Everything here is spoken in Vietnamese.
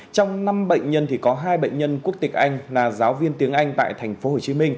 trong năm bệnh nhân có hai bệnh nhân quốc tịch anh là giáo viên tiếng anh tại tp hcm